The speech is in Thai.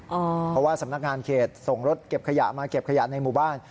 เพราะว่าสำนักงานเขตส่งรถเก็บขยะมาเก็บขยะในหมู่บ้าน